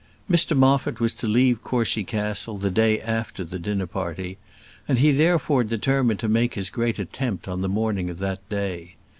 Mr Moffat was to leave Courcy Castle the day after the dinner party, and he therefore determined to make his great attempt on the morning of that day.